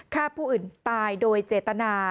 ฆ่าผู้อื่นตายโดยเจตนา